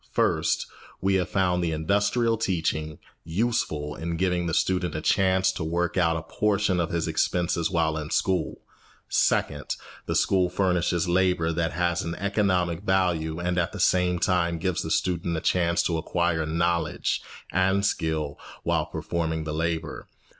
First, we have found the industrial teaching useful in giving the student a chance to work out a portion of his expenses while in school. Second, the school furnishes labour that has an economic value and at the same time gives the student a chance to acquire knowledge and skill while performing the labour.